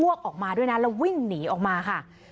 วกออกมาด้วยนะแล้ววิ่งหนีออกมาค่ะ